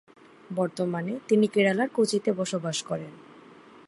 বর্তমানে তিনি কেরালার কোচিতে বসবাস করেন।